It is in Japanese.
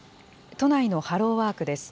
都内のハローワークです。